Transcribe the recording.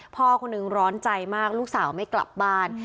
พ่อคนหนึ่งร้อนใจมากลูกสาวไม่กลับบ้าน